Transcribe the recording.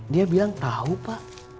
dia bilang tau pak